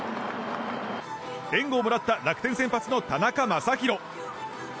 援護をもらった楽天先発の田中将大。